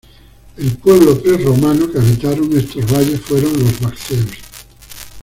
El pueblo prerromano que habitaron estos valles fueron los vacceos.